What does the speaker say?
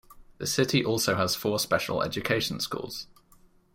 The city also has four special education schools.